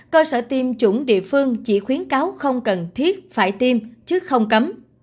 cơ sở tiêm chủng địa phương chỉ khuyến cáo không cần thiết phải tiêm chứ không cấm